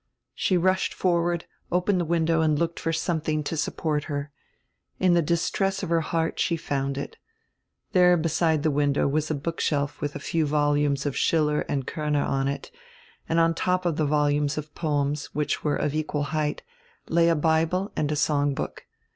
She rushed forward, opened the window and looked for some thing to support her. In die distress of her heart she found it. There beside die window was a bookshelf with a few volumes of Schiller and Korner on it, and on top of the volumes of poems, which were of equal height, lay a Bihle and a songbook.